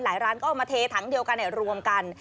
หลายร้านก็เอามาเทถังเดียวกันเนี่ยรวมกัน